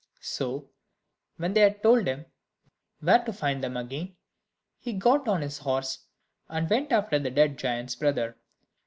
So when they had told him where to find them again, he got on his horse and went after the dead giant's brother.